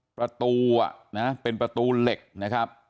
ประตูเป็นประตูเหล็กนะครับ